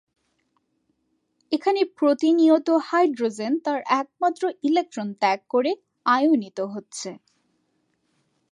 এখানে প্রতিনিয়ত হাইড্রোজেন তার একমাত্র ইলেকট্রন ত্যাগ করে আয়নিত হচ্ছে।